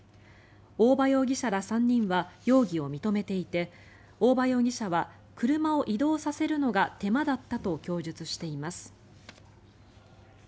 大庭容疑者ら３人は容疑を認めていて大庭容疑者は車を移動させるのが手間だったと供述しています。